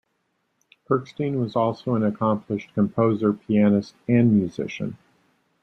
Erskine was also an accomplished composer, pianist and musician.